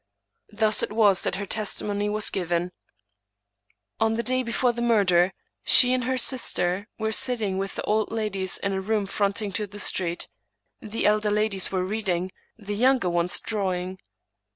Thus it was that her testimony was given :; On the day before the murder, she and her sister were sit> ting with the old ladies in a room fronting to the street,* the elder ladies were reading, the younger ones drawing.